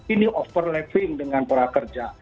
ini overlapping dengan prakerja